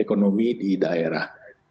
ekonomi di daerah